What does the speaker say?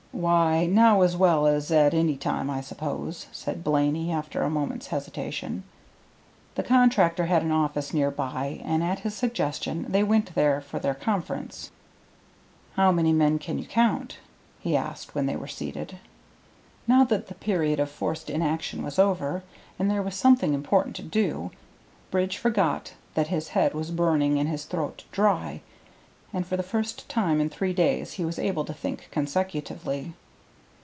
"Why, now as well as at any time, I suppose," said Blaney, after a moment's hesitation. The contractor had an office near by, and at his suggestion they went there for their conference. "How many men can you count?" he asked when they were seated. Now that the period of forced inaction was over, and there was something important to do, Bridge forgot that his head was burning and his throat dry, and for the first time in three days he was able to think consecutively.